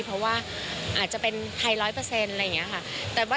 เพราะว่าอาจจะเป็นไทยร้อยเปอร์เซ็นต์อะไรอย่างนี้ค่ะ